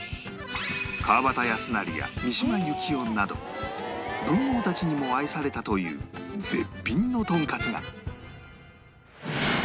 川端康成や三島由紀夫など文豪たちにも愛されたという絶品のとんかつが